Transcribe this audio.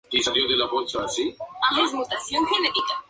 Habita las sierras de Nipe-Cristal y el macizo de Moa-Toa.